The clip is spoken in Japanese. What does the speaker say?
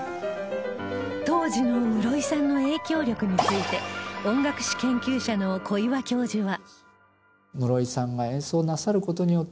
当時の室井さんの影響力について音楽史研究者の小岩教授は